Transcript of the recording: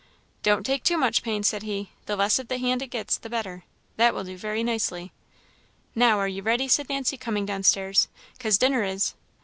"Don't take too much pains," said he; "the less of the hand it gets, the better. That will do very well." "Now, are you ready?" said Nancy, coming down stairs, "cause dinner is.